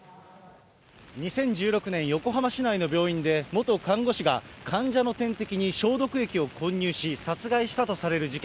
２０１６年、横浜市内の病院で、元看護師が患者の点滴に消毒液を混入し、殺害したとされる事件。